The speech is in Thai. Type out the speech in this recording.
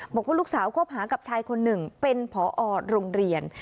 บอกว่าลูกสาวคบหากับชายคนหนึ่งเป็นผอโรงเรียน